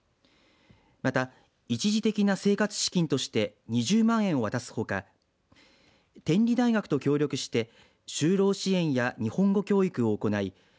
また一時的な生活資金として２０万円を渡すほか天理大学と協力して就労支援や日本語教育を行い